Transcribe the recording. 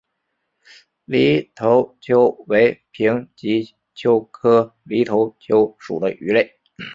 犁头鳅为平鳍鳅科犁头鳅属的鱼类。